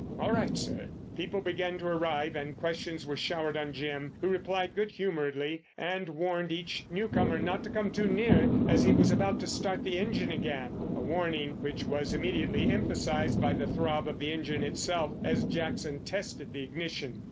"All right, sir." People began to arrive and questions were showered on Jim, who replied good humouredly, and warned each newcomer not to come too near as he was about to start the engine again—a warning which was immediately emphasised by the throb of the engine itself, as Jackson tested the ignition.